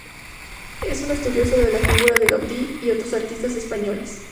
Es un estudioso de la figura de Gaudí y otros artistas españoles.